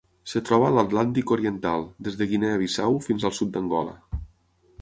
Es troba a l'Atlàntic oriental: des de Guinea Bissau fins al sud d'Angola.